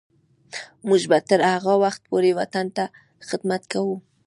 موږ به تر هغه وخته پورې وطن ته خدمت کوو.